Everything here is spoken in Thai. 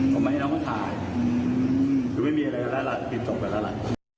คือไม่มีอะไรละละผิดจบกันละละ